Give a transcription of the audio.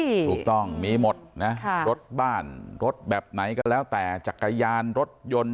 ถูกต้องมีหมดนะรถบ้านรถแบบไหนก็แล้วแต่จักรยานรถยนต์